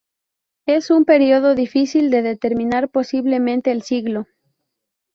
En un período difícil de determinar, posiblemente el siglo